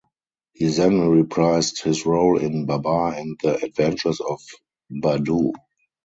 He then reprised his role in "Babar and the Adventures of Badou".